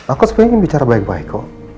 aku sebenarnya ingin bicara baik baik kok